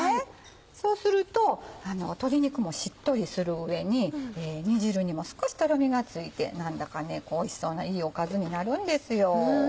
そうすると鶏肉もしっとりする上に煮汁にも少しとろみがついて何だかねおいしそうないいおかずになるんですよ。